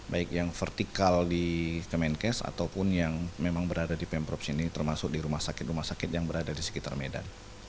baik yang vertikal di kemenkes ataupun yang memang berada di pemprov sini termasuk di rumah sakit rumah sakit yang berada di sekitar medan